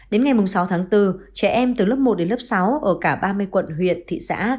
đến ngày sáu tháng bốn trẻ em từ lớp một đến lớp sáu ở cả ba mươi quận huyện thị xã